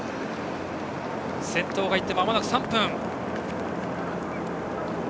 先頭が行って、まもなく３分。